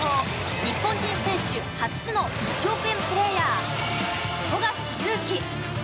日本人選手初の１億円プレーヤー富樫勇樹。